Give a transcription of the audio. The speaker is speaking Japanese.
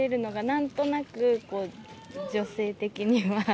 なんとなく、女性的には。